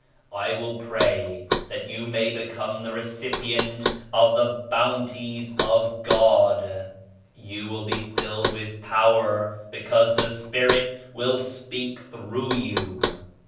I will pray that you may become the recipient of the 89 Bounties of God. You will be filled with powder because the Spirit will speak through you.